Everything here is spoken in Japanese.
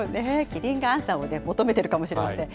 キリンがアンさんを求めてるかもしれません。